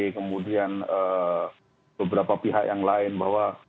kemudian beberapa pihak yang lain bahwa